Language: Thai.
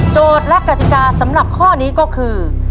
โจทย์รักกฎิกาสำหรับข้อนี้ก็คือ